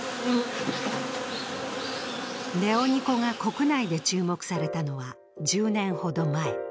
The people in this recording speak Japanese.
ネオニコが国内で注目されたのは１０年ほど前。